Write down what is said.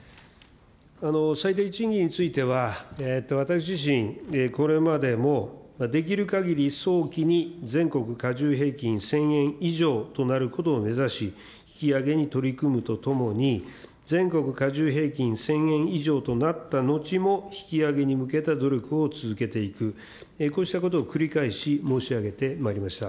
最低賃金については、私自身、これまでも、できるかぎり早期に全国かじゅう平均１０００円以上となることを目指し、引き上げに取り組むとともに、全国かじゅう平均１０００円以上となった後も、引き上げに向けた努力を続けていく、こうしたことを繰り返し申し上げてまいりました。